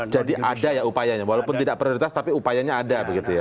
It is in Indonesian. jadi ada ya upayanya walaupun tidak prioritas tapi upayanya ada begitu ya